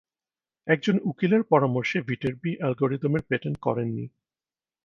একজন উকিলের পরামর্শে ভিটেরবি অ্যালগরিদমের পেটেন্ট করেননি।